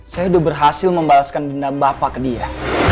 saya sudah berhasil membalaskan dendam bapak ke dia